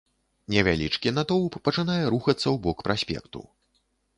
Невялічкі натоўп пачынае рухацца ў бок праспекту.